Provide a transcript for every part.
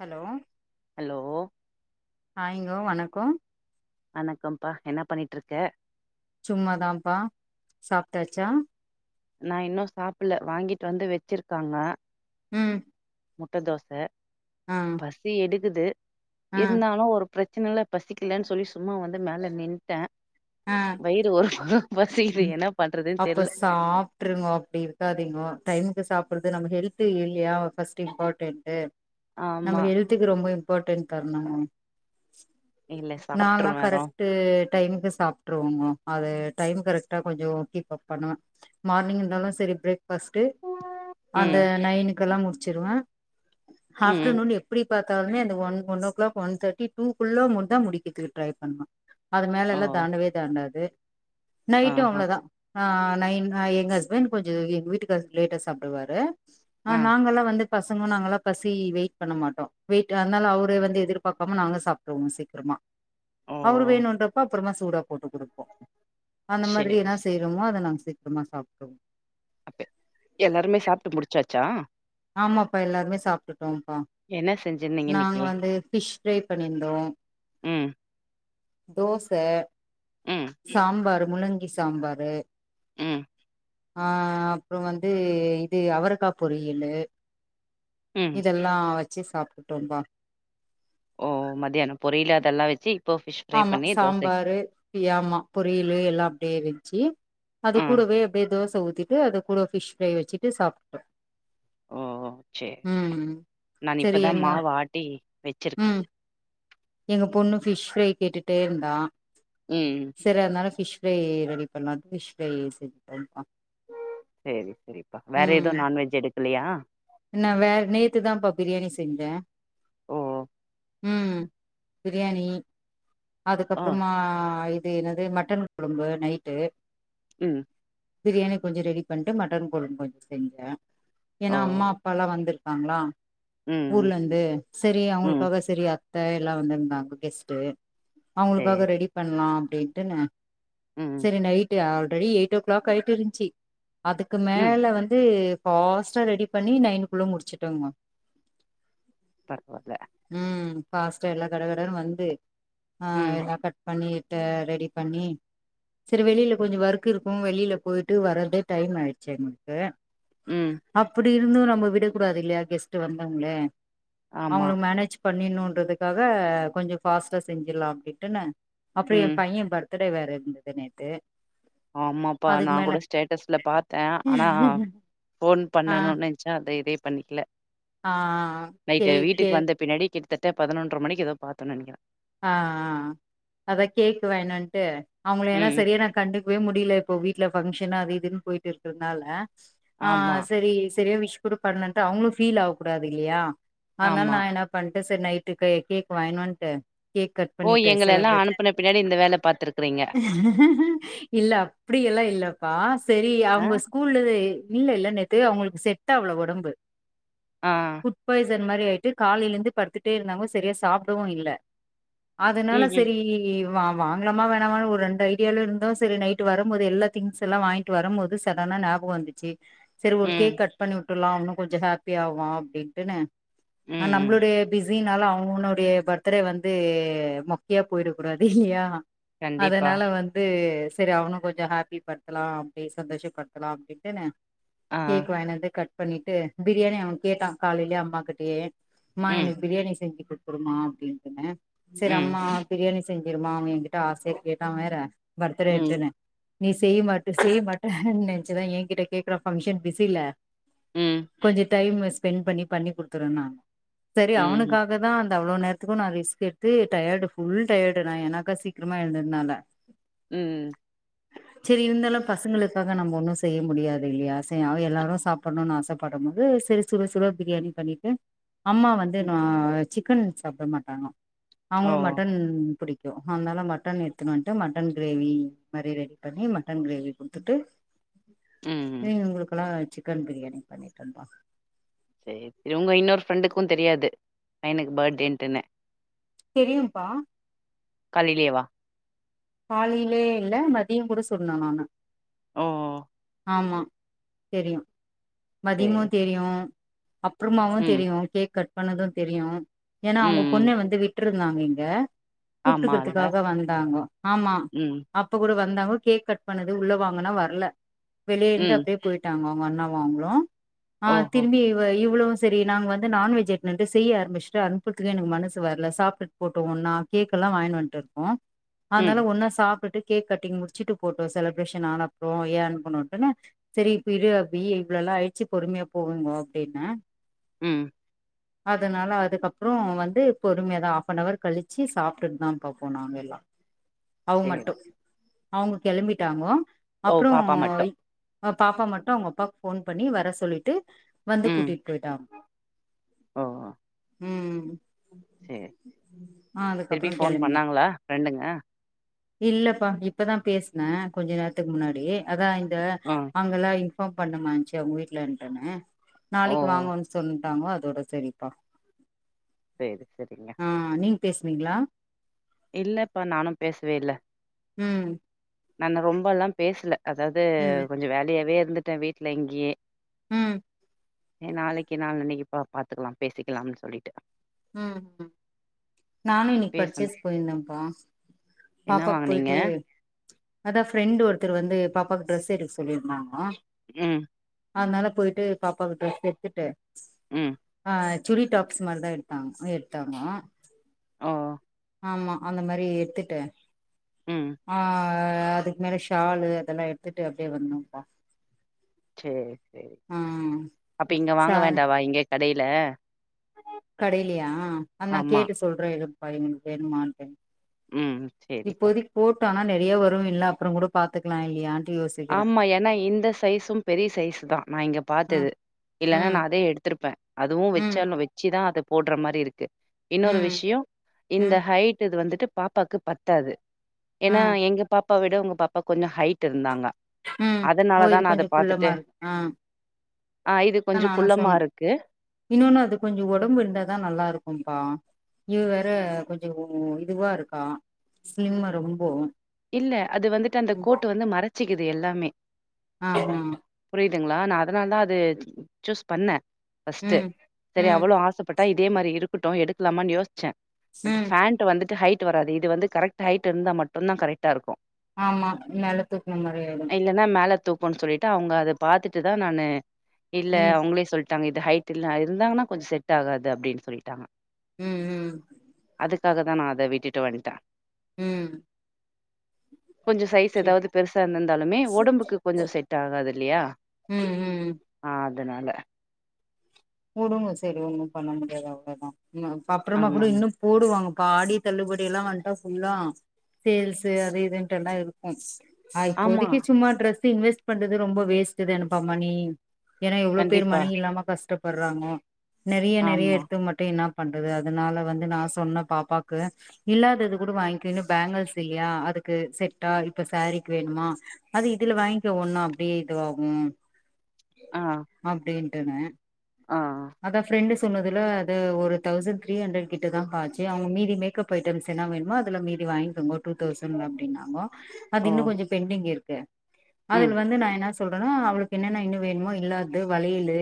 Hello hello ஹாய்ங்கோ வணக்கொ வணக்கம்ப்பா என்ன பண்ணிட்ருக்க? சும்மாதாம்ப்பா சாப்ட்டாச்சா? நா இன்னு சாப்புல்ல வாங்கிட்டு வந்து வச்சிருக்காங்க ம் முட்ட தோச ஆ பசி எடுக்குது ஆ இருந்தாலு ஒரு பிரச்சனல்ல பசிக்கலன் சொல்லி சும்மா வந்து மேல நின்ட்டே ஆ வயிறு ஒரு பக்கொ பசிக்கிது என்ன பண்றது தெர்ல சா ப்ட்ருங்கோ அப்டி இருக்காதிங்கோ டைமுக்கு சாப்புறது நம்ம ஹெல்த்து இல்யா ஃபஸ்ட்டு இம்பாட்டன்ட் அ நம்ம ஆமா ஹெல்த்துக்கு ரொம்ப இம்பார்ட்டன்ட் தரணும் னு இல்ல நாலா சாப்ட்ருவேறோ கரெக்ட்டு டைமுக்கு சாப்ட்டுருவோம்மா அது டைம் கரெக் ட்டா கொஞ்சோ உக்கி பாப்பனா மார்னிங் இருந்தாலு சரி பிரேக் ஃபர்ஸ்டு அந்த ம் நைனுக்கெல்லா முடிச்சிருவே ம் ஆஃப்டர்னூன் எப் டி பாத்தாலுமே அந்த one one o'clock one thirty டூக்குள்ள தா முடிக்கக்கு ட்ரை பண்ணுவ அது ஓ மேலல்லா தாண்டவே தாண்டாது நைட்டு ஆஹா அவ்ளோதா அ நைன் எங்க ஹஸ்பண்ட் கொஞ்ச எங்க வீட்டுக்காரரு லேட்டா சாப்டுவாரு ஆ நாங்கல்லா வந்து பசங்க நாங்கல்லா பசி வெயிட் பண்ண மாட்டோ வெயிட் அதனால அவரு வந்து எதிர்பாக்காம நாங்க சாப்டுவோ சீக்கிரமா ஓ அவரு வேணுன்றப்ப அப்புறமா சூடா போட்டு குடுப் அந்த மாதிரி சேரி என்னா செய்றோமோ அத நாங்க சீக்கிரமா சாப்ட்ருவோ அப்ப எல்லாருமே சாப்ட்டு முடிச்சாச்சா ஆமாப்பா எல்லாருமே சாப்ட்டுட்டோம்ப்பா என்ன செஞ்ச நீ நாங்க வந்து ஃபிஷ் ஃப்ரை பண்ணியிருந்தோ ம் தோச ம் சாம்பாரு முள்ளங்கி சாம்பாரு ம் ஆ அப்புறோ வந்து இது அவரக்கா பொரியலு ம் இதெல் ல்லா வச்சு சாப்ட்டுட்டோம்ப்பா ஓ மதியான பொறியல் அதெல்லா வச்சு ஆமா சாம்பாரு ய ஆமா பொரியலு எல்லா அப்டியே வச்சு அது ஆ கூடவே அப்டியே தோச ஊத்திட்டு அது கூட ஃபிஷ் ஃப்ரை வச்சுட்டு சாப்ட்டோ ஓ சேரி ம் நான் செரி இப்பதா எங்க மாவு ஆட்டி வச்சிருக்கே ம் எங்க பொண்ணு ஃபிஷ் ஃப்ரை கேட்டுட்டே இருந்தா ம் சரி அதனால ஃபிஷ் ஃப்ரை ரெடி பண்ணலான்ட்டு ஃபிஷ் ஃப்ரை செஞ்சுட்டன்ப்பா செரி செரிப்பா வேற ஏது நான்வெஜ் எடுக்கலையா இன்ன வே நேத்துதான்ப்பா பிரியாணி செஞ்சே ஓ ம் பிரியாணி ஆ அதுக்கப்புறமா அது என்னது மட்டன் கொழம்பு நைட்டு ம் பிரியாணி கொஞ்ச ரெடி பண்ணிட்டு மட்டன் கொழம்பு கொஞ்ச செஞ்சே ஓ ஏன்னா அம்மா அப்பா வந்திருக்காங்களா ம் ம் ஊர்லயிருந்து சரி ம் அவுங்களுக்காக சரி அத்த எல்லா வந்திருந்தாங்க கெஸ்ட்டு அவுங்களுக்காக சேரி ரெடி பண்ணலா அப்டின்ட்டு நா ம் சரி night already eight o'clock ஆயிட்டு இருந்துச்சு அதுக்கு ம் மேல வந்து ஃபாஸ்ட்டா ரெடி பண்ணி நைனுக்குள்ள முடிச்சுட்டோங்க படுப்பாப்ல ம் ஃபாஸ்டா எல்லா கட கடனு வந்து ஆ ம் எல்லா பட் பண்ணிட்டு ரெடி பண்ணி செரி வெளியில கொஞ்ச ஒர்க் இருக்கு வெளியில போயிட்டு வர்ரதே டைம் ஆயிடுச்சு எங்களுக்கு ம் அப்டி இருந்தும் நம்ம விடக் கூடாது இல்லையா கெஸ்ட்டு வந்தவுங்களே ஆமா அவுங்கள மேனேஜ் பண்ணிணுன்றதுக்காக கொஞ்ச ஃபாஸ்ட்டா செஞ்சிட்லா அப்டின்டு அப்புற எ ம் பைய பர் த்டே வேற இருந்தது நேத்து ஆமாப்பா நா அதுக்கு மேல கூட ஸ்டேட்டஸ்ல பாத்தே ஆனா ஃபோன் ஆ பண்ணணும்னு ச்சா அதே இதே பண்ணிக்குல ஆ நைட்டு கேக் வீட்டுக்கு கேக் வந்த பின்னாடி கிட் தட்ட பதனொன்ற மணிக்கி ஏதோ பாத்தோன் நெனைக்கிற அ அ அ அதா கேக்குவ என்னன்ட்டு அவங்குள ஏன்னா ம் செரியா நா கண்டுக்குவே முடில இப்போ வீட்ல ஃபங்க்ஷன் அது இதுன்னு போயிட்டு இருக்கறதுனால ஆ ஆமா செரி செரியா விஷ் கூட பண்லன்ட்டு அவங்களு ஃபீல் ஆவ கூடாது இல்லையா அதனால ஆமா நா என்னாப் பண்ட்ட செர் நைட்டு கே கேக் வாங்கின் வந்ட்டு கேக் கட் பண்ணிட்டு செலப்ரேட் அ பாத்துருக்குறீங்க இல்ல அப்புடியெல்லா இல்லப்பா செரி ஆ அவுங்க ஸ் கூல்லவே இல்ல இல்ல நேத்து அவுங்களுக்கு செட் ஆவல ஒடம்பு அ ஃபுட் பாய்சன் மாரி ஆயிட்டு காலையிலந்து படுத்துட்டே இருந்தாங்கோ சரியா சாப்புடவு இல்ல அதனால ம் ம் செரி வா வாங்கலாமா வேணாமான்னு ஒரு ரெண்டு ஐடியால இருந்தோ செரி நைட்டு வரம்போது எல்லா திங்ஸ் எல்லா வாயின் ட்டு வரம்போது சடனா ஞாபகோ வந்துச்சி செரி ஒரு ம் கேக் கட் பண்ணிவுட்டுல்லா இன்னோ கொஞ்சோ ஹாப்பி ஆகோ அப்டின்ட்டுன்னு அ ம் ம் நம்ளுடைய பிஸினால அவனுடைய பர்த்துரே வந் ந்து மொக்கையா போயிடக்கூடாது இல்லையா கண்டிப்பா அதனால வந் து சரி அவனு கொஞ்சோ ஹாப்பி பட்த்தலாம் அப்டி சந்தோஷப்பட்த்தலா அப்டின்ட்டுன்னு ஆ கேக் வாங்கினு வந்து கட் பண்ணிட்டு பிரியாணி அவ கேட்டா காலையிலயே அம்மா கிட்டயே ம்மா ம் எனக்கு பிரியாணி செஞ்சுக்குட் குடுமா அப்டின்ட்டுன்னு செரி ம் அம்மா பிரியாணி ஸ் செஞ்சிருமா அவ எங்கிட்ட ஆசயா கேட்டா வேற ம் பர்த்துடேன்ட்டுன்னு நீ செய்ய மாட்ட செய்ய மாட்ட ன்னு நெனச்சுதா எங்கிட்ட கேக்குறா ஃபங்க்ஷன் பிஸில ம் கொஞ்சோ டைமு ஸ்பெண்ட் பண்ணி பண்ணி குடுத்துருவன்னாங்க சரி ம் அவனுக்காக தான் து அவ்ளோ நேரத்துக்கோ நா ரிஸ்க் எட்த்து டயடு ஃபுல் டயடு நா ஏனாக்கா சீக்ரமா எழுந்ததுனால ம் சரி இருந்தாலு பசங்களுக்காக நம்ம ஒன்னு செய்ய முடியாது இல்லையா செ அவ அ எல்லாரு சாப்புட்னோன்னு ஆசப்படும்போது செரி ஸ் சுட சுட பிரியாணி பண்ணிட்டு அம்மா வந்து ம் நா சிக்கன் சாப்ட மாட்டாங்கோ ஓ அவங்களுக் மட்டன் புடிக் க்கு அதனால மட்டன் எட்த்துனு வந்ட்டு மட்டன் கிரேவி மாரி ரெடி பண்ணி மட்டன் கிரேவி குடுத்துட்டு ப்டே ம் இவுங்குளுக்கல்லா சிக்கன் பிரியாணி பண்ணிட்டன் பா சேரி ப் இவுங்க இன்னொரு ஃப்ரெண்டுக்கும் தெரியாது பையனுக்கு பர்டேன்ட்டுன்னு தெரியும்பா காலிலேவா காலிலே இல்ல மத்தியோங் கூட சொன்ன நானு ஓ ஆமா தெரியு மத்தியம்மு சரி தெரியு ப்புறமாவு ம் தெரியு கேக் கட் பண்ணதோ தெரியு ஏன்னா அவங்க ம் பொண்ண ம் வந்து விட்ருந்தாங்க இங்க ஆமால்ல கூப்ட்டுக்குறதுக்காக வந்தாங்கோ ஆமா ம் அப்போ கூட வந்தாங்கோ கேக் கட் பண்ணது உள்ள வாங்கன்னா வர்ல வெளிய இருந்து ம் அப்புடே போயிட் ட்டாங்கோ அவுங்க அண்ணாவு அவுங்களோ அ ஓஹோ திரும்பி வ இவளு செரி நாங்க வந்து நான் வெஜ் எடுத்துன் வந்ட்டு செய்ய ஆரம்பிச்ட்டு அனுப்புறத்துக்கு எனக்கு மனசு வர்ல சாப்ட்டுட் போட்டோங்கோன்னா கேக்கல்லா வாங்கினு வந்ட்டு இருக்கோ ம் அதனால ஒன்னா சாப்ட்டுட்டு கேக் கட்டிங் முடிச்சிட்டு போட்டோ செலப்ரேஷன் ஆன அப்றோ ஏன் அனுப்புனோன்ட்டுன்னு செரி இப்ப இரு அபி இவ்ளோல்லா ஆயிட்ச்சு பொறுமையா போங்கோ அப்டின்னு ம் அதனால அதுக்கப்றோ வந்து பொறுமையா தா ஹாஃப் அன்னவர் கழிச்சி சாப்ட்டுட்டு தா போனாங்க எல்லாரு அவ சரி மட்டு அவுங்க கிளம்பிட்டாங்கோ ஓ அப்றோ பாப்பா மட்டு பாப்பா மட்டு அவுங்க அப்பாக்கு ஃபோன் பண்ணி வர சொல்லிட்டு வந்து கூட்டிட்டு போய்ட்டாங்கோ ஒ ம் சேரி ஆ திருப்பி அதுக்கப்புறோ ஃபோன் கெளம்பினே பண்ணாங்ளா ஃப்ரெண்டுங்க இல்லப்பா இப்பதா பேஸ்னே கொஞ்ச நேரத்துக்கு முன்னாடி அதா இந்த ஆ அங் ல்லா இன்பார்ம் பண்ணமாச்சு அவ்ங்க வீட்ல ஓ நாளைக்கு வாங்கன்னு சொன்ன சி டாங்கோ அதோட செரிப்பா இல்ல எதுக்கு கேட்டீங்க ஆ நீங்க பேசுனீங்களா இல்லப்பா நானு பேசவே இல்ல ம் நா ரொம்பல்லா பேசல அதாவது ம் கொஞ்சோ வேலயாவே இருந்துட்டே வீட்ல இங்கேயே ம் ஏ நாளைக்கி நாளான்னைக்குப் பா பாத்துக்கலா பேசிக்கலாம்னு சொல்லிட்டே ம் ம் நானு இன்னைக்கு பேசணு பர்ச்சேஸ் போய்ருந்தேன்ப்பா என்ன பாப்பாக்கு வாங்குனீங்க போய்ட்டு அதா ஃப்ரெண்டு் ஒருத்தர் வந்து பாப்பாவுக்கு ட்ரெஸ் எடுக்க சொல்லிருந்தாங்க ம் அதனால போய்ட்டு பாப்பாக்கு ட்ரெஸ் எடுத்துட்டு ம் அ சுடி டாப்ஸ் மாரிதா எடுத்தா எடுத்தாங்க அ ஆமா அந்த மாரி எடுத்துட்டு ம் ஆ அ அதுக்கு மேல ஷாலு அதெல்லா எடுத்துட்டு அப்டியே வந்தோம்பா சேரி சேரி அப்போ இங்கே ச வாங்க வேண்டாவா இங்கே கடைல கடைலயா அத நா ஆமா கேட்டு சொல்றே எப்பா எங்களுக்கு வேணுமாண்டு ம் சேரிப்பா இப்போதைக்கு போட்டோனா நெறைய வரு இல்ல அப்புறம் கூட பாத்துக்கலா இல்லையான் யோசிக் ஆமா ஏன்னா இந்த சைஸும் பெரிய சைஸு தா நா இங்க ம் பாத்தது இல்லனா நா ம் அதே எடுத்துருப்பே அதுவு ம் வச்சாலு வ ச்சி தா அது போட்ற மாரிருக்கு இன்னொரு ம் விஷயோ இந்த ம் ஹைட் இது வந்துட்டு பாப்பாவுக்கு பத்தாது ஆ ஏனா எங்க பாப்பா விட உங்க பாப்பா கொஞ்சோ ஹைட் இருந்தாங்க ம் ஓ இது அதனாலதான் நான் அத கொஞ்சோ பாத்துட்டு, குள்ளமா இருக்கு ஆ ஆ இது கொஞ்சோ நானு குள்ளமா சொன்னே இருக்கு. இன்னொன்னு அது கொஞ்சோ உடம்பு இருந்தாதா நல்லாருக்கும்பா இது வேற கொஞ்சோ இதுவாருக்கா சிலிம்மா ரொம்போ இல்ல அது வந்துட்டு அந்த கோட்டு வந்து மறச்சுக்குது எல்லாமே ஆ ஆ புரியுதுங்களா நா அதனால தா அது சூஸ் பண்ணே ஃபஸ்ட்டு ம் சரி ம் அவ்ளோ ஆச ட்டா இதே மாதிரி இருக்கட்டு எடுக்கலாமானு யோசிச்சே பட் ம் ஃபேண்ட் டு வந்துட்டு ஹைட் வராது இது வந்து கரெக்ட் ஹைட் இருந்தா மட்டுந்தா கரெக்டாருக்கு ஆமா பின்னால தூக்குன மாரி ஆயிடு இல்லன்னா மேல தூக்கும்ன்னு சொல்லிட்டு அவுங்க அத பாத்துட்டு தா நானு இல்ல ம் அவுங்களே சொல்லிட் டாங்க இது ஹைட் இல்ல இருந்தாங்கன்னா கொஞ்சோ செட் ஆகாது அப்டின்னு சொல்லிட்டாங்க ம் ம் அதுக்காக தா நா அத விட்டுட்டு வன்ட்டே ம் கொஞ்ச சைஸ் ஏதாவது பெருசா இர்ந்திர்தாலுமே உடம்புக்கு கொஞ்ச செட்டாகாது இல்லையா ம் ம் ம் அ அதனால உடுங்க சரி ஒண்ணு பண்ண முடியாது அவ்ளதா உன்னு அப்புறமா கூட ஆமாங்க. இன்னு போடுவாங்க பா ஆடி தள்ளுபடி எல்லா வன்ட்டா ஃபுல்லா சேல்ஸு அது இதுன்ட்டுலா இருக் ஆ ஆமா. இப்போதைக்கி சும்மா ட்ரெஸ்ஸு இன்வெஸ்ட் பண்றது ரொம்ப வேஸ்டு தேனப்பா மணி ஏனா எவ்ளோ பேர் கண்டிப்பா. மணி இல்லாம கஷ்டப்பட்றாங்கோ நெறைய நெறைய ஆமா. எடுத்து மட்டு இன்னாப் பண்றது அதனால வந்து நா சொன்ன பாப்பாக்கு இல்லாதது கூட வாங்கிக்க இன்னு பேங்கள்ஸ் இல்லயா அதுக்கு செட்டா இப்ப சாரீக்கு வேணுமா அது இதுல வாங்கிக்க ஒண்ணு அப்டியே இதுவாகு ஆ, அப்டின்ட்டுனே ஆ, அதா பிரெண்டிஸ் சொன்னதுல அது ஒரு தௌசண்ட் த்ரீ ஹண்ட்ரட் கிட்டதாக்கா ஆச்சு அவுங்க மீதி மேக்கப் ஐட்டம்ஸ் என்னா வேணுமோ அதுல மீதி வாய்ங்ககோ டுதௌசண்ட் அப்டினாங்க அது இன்னு ஓ! கொஞ்ச பெண்டிங் இருக்க ம், அதுல வந்து நா என்னா செ சொல்றனா அவளுக்கு என்னன்ன இன்னு வேணுமோ இல்லாது வளையலு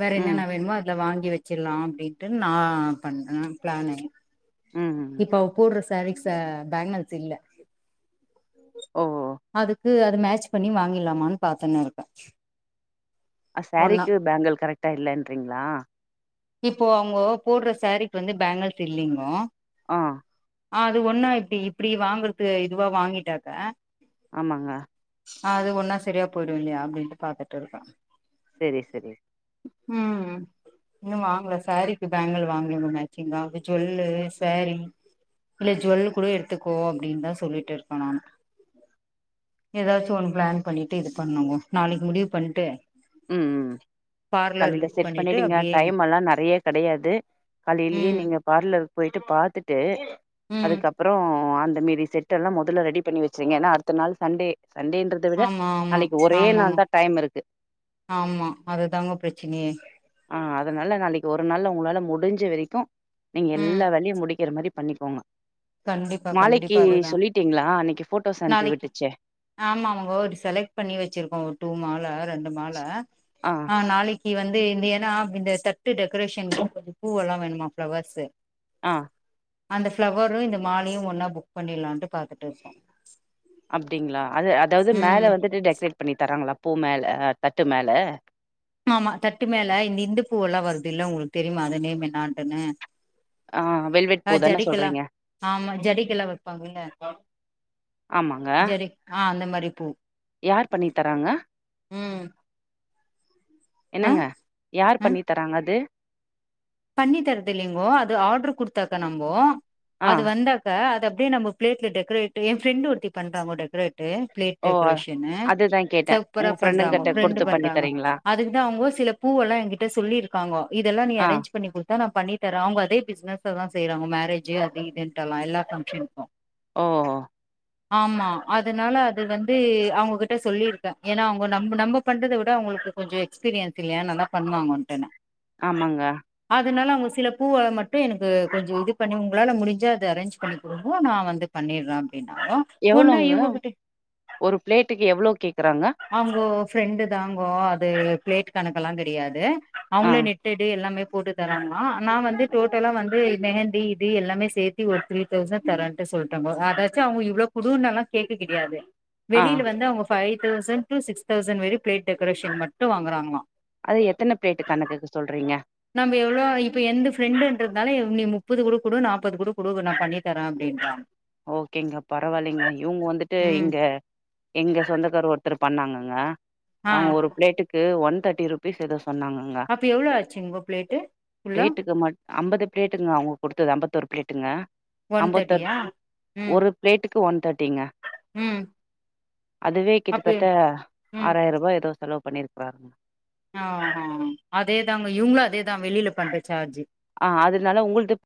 வேற இன்னென்ன ம், வேணுமோ அதுல வாங்கி வச்சிலா அப்டின்ட்டு நா பண்றே பிளானு ம். இப்போ அவ போட்ற சாரிக்ஸ பேங்கல்ஸ் இல்ல ஓ அதுக்கு அது மேட்ச் பண்ணி வாங்கில்லாமான் பாத்துன்னுர்க்கே அ சாரீக்கு பேங்கல் கரெக்டா இல்லேன்றிங்ளா இப்போ அவுங்க போட்ற சேரீக் வந்து பேங்கல்ஸ் இல்லிங்கோ ஆ ஆ அது ஒன்னா இப்டி இப்டி வாங்கறது இதுவா வாங்கிட்டாக்க ஆமாங்க ஆ அது ஒன்னா சரியா போய்டு இல்லயா அப்டின்ட்டு பாத்துட் இருக்க செரி செரி ம் இன்னு வாங்ல சாரீக்கி பேங்கல் வாங்கல இன்னு மேட்சிங்கா இந்த ஜுவெல்லு சாரீ இக்ல ஜுவல் கூட எடுத்துக்கோ அப்டின் தா சொல்லிட் இருக்க நானு ஏதாச்சு ஒன்னு பிளான் பண்ணிட்டு இது பண்ணுங்கோ நாளைக் முடிவு பண்ட்டு ம் ம் காலைல புக் செட் பண்ணிட்டு பண்ணிடுங்க அப்டியே டைம்மல்லா நெறையா கெடையாது காலைலியே ம் நீங்க பார்லர்க்கு போய்ட்டு பாத்துட்டு ம் அதுக்கப்பற அந்த மீதீ செட் டுலா மொதல்ல ரெடி பண்ணி வெச்சிருங்க ஏனா அட்த்த நாள் சண்டே சண்டேன்றத் த விட ஆமா ஆமா நாளக்கி ஒரே ஆமாங்க நாள் தா டைம்மிருக்கு ஆமா அதுதாங்க பிரச்சினையே ஆ அதனால நாளக்கி ஒரு நாள்ல உங்களால முடிஞ்ச வெரிக்கு நீங்க ம் எல்லா வேலயு முடிக்கிற மாரி பண்ணிக்கோங்க கண்டிப்பா மாலைக்கு கண்டிப்பா அதுதா சொல்லிட்டீங்களா அன்னைக்கு போட்டோஸ் அனுப்பி நாளக்கி விட்டுச்சே ஆமாம்கோ செலக்ட் பண்ணி வச்சிர்க்கோ டூ மால ரெண்டு மால ஆ நாளைக் கி வந்து இந்த ஏனா இந்த ஸ்டட்டு டெக்கரேஷன்க்கு கொஞ்ச பூவெல்லா வேணுமா ப்ளவர்ஸ்ஸு ஆ அந்த ஃபிளவரு இந்த மாலையு ஒன்னா புக் பண்ணில்லான்ட்டு பாத்துட் இர்க்கோ அப்டிங்ளா அது அதாவுது மேல வந்துட்டு டெக்ரேட் பண்ணி தராங்ளா பூ மேல தட்டு மேல ஆமா தட்டு மேல இத்தி இந்த பூவெல்லா வருது இல்ல உங்களுக்கு தெரிமா அது நேம் என்னாட்டுன்னு ஆ வெல்வெட் அ பூ தான ஜடக்கலா சொல்றீங்க ஆமா ஜடக்கெல்லா வெப்பாங்கள ஆமாங்க ஆ அந்த மாரி பூ யார் பண்ணி தராங்க ம் ஆ என்னங்க ஆ யார்பண்ணி தராங்க அது பண்ணி தரது இல்லிங்கோ அது ஆர்டரு குடுத்தா தானுங்கோ ஆ அது வந்தா இப்ப அத அப்டே நம்ம பிளேட்ல டெக்ரேட் எ ப்ரெண்ட் ஒருத்தி பண்றாங்கோ டெக்ரேட் டே பிளேட் ஓ டெக்ரேஷன்னு அதுதா கேட்டே சூப்பரா உங்க பண்றாங்கோ ஃப்ரெண்டுங்கிட்ட ஃப்ரெண்ட்டு குடுத்து பண்ணி பண்றாங்கோ தரீங்களா அதுக்குதா அவுங்கோ சில பூவெல்லா எங்கிட்ட சொல்லிரு இருக்காங்கோ இதெல்லா நீ ஆ அரேஞ் பண்ணி குடுத்தா நா பண்ணி தரே அவுங்க அதே பிசினஸ்ஸா தா செய்றாங்கோ மேரேஜூ அது இதுட்டு எல்லா ஃபங்க்ஷன்க்கு ஓ ஆமா அதனால அது வந்து அவுங்ககிட்ட சொல்லியிருக்கே ஏனா அவுங்க நம் நம்ம பண்றத விட அவுங்களுக்கு கொஞ்சோ எக்ஸ்பீரியன்ஸ் இல்லியா நா தா நல்லா பண்ணுவாங்கன்ட்டுன்னு ஆமாங்கா அதனால அவுங்க சில பூவ மட்டு எனக்கு கொஞ்சோ இது பண்ணி உங்களால முடிஞ்சா அத அரேஞ்ச் பண்ணி குடுங்கோ நா வந்து பண்ணிற அப்டின்னாங்கோ எவ்ளோங்க ஒரு பிளேட்டுக்கு எவ்ளோ கேக்குறாங்க அவுங்கோ ஃப்ரெண்டு தாங்கோ அது பிளேட் கணக்கெல்லா தெரியாது ஆ அவுங்கள நெட்டெடு எல்லாமே போட்டு தராங்ளா நா வந்து டோட்டலா வந்து து மெஹந்தி இது எல்லாமே சேத்தி ஒரு த்ரீ தௌசண்ட் தரன்ட்டு சொல்ட்டாங்கோ அதாச்சு அவுங்க இவ்ளோ குடுனு எல்லா கேக்க கெடையாது ஆ வெளியில வந்து அவுங்க five thousand to six thousand வரியு பிளேட் டெக்ரேஷன் மட்டு வாங்குறாங்ளா அது எத்தன பிளேட் கணக்குக்கு சொல்றீங்க நம்ம எவ்ளோ இப்ப என்ந்து ஃப்ரெண்டுன்றதுனாலே நீ முப்பது கூட குடு நாப்பது கூட குடு நா பண்ணி தரே அப்டின்றாங்க ஓகேங்க பரவால்லிங்க இவுங்க வந்துட்டு ம் இங்க எங்க சொந்தக்கார் ஒருத்தர் பண்ணாங்கங்க ஆ அவுங்க ஒரு பிளேட்டுக்கு ஒன் தேர்ட்டி ருபீஸ் எதோ சொன்னாங்க அப்போ எவ்ளோ ஆச்சிக்கு ஒரு பிளேட்டு எவ்ளோ பிளேட்டுக்கு மட் அம்பது பிளேட்டுங்க அவுங்க குடுத்தது அம்பத்தொரு பிளேட்டுங்க ஒன் அம்பத்தோர் தேர்ட்டியா ம் ஒரு பிளேட்டுக்கு ஒன் தேர்ட்டிங்க ம் அதுவே அப்ப கிட்டத்திட்ட ம் ஆறாயிர ரூபா ஏதோ செலவு பண்ணிருக்கறாருங்க அதே தாங்க இவுங்களு அதேதா வெளில பண்ற சார்ஜு ஆ அதனால உங்ளுது